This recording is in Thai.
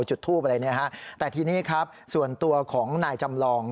จุดทูปอะไรเนี่ยฮะแต่ทีนี้ครับส่วนตัวของนายจำลอง